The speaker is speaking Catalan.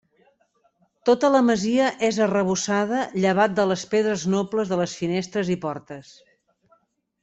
Tota la masia és arrebossada llevat de les pedres nobles de les finestres i portes.